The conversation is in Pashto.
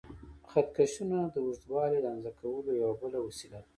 خط کشونه د اوږدوالي د اندازه کولو یوه بله وسیله ده.